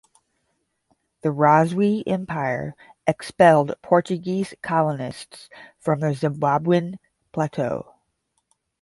The Rozwi Empire expelled Portuguese colonists from the Zimbabwean plateau